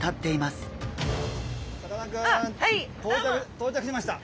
到着しました。